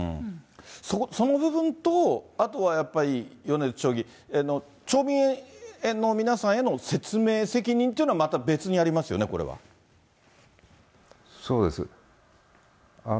その部分と、あとはやっぱり、米津町議、町民の皆さんへの説明責任というのはまた別にありますよね、これそうです。